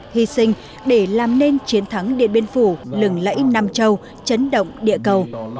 hy sinh để làm nên chiến thắng điện biên phủ lừng lẫy nam châu chấn động địa cầu